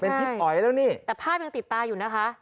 พี่อ๋อยแล้วนี่แต่ภาพยังติดตาอยู่นะคะ